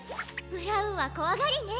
ブラウンはこわがりね。